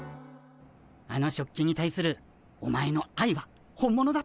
あの食器に対するお前のあいは本物だった。